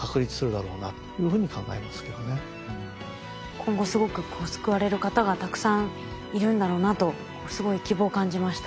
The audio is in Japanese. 今後すごく救われる方がたくさんいるんだろうなとすごい希望を感じました。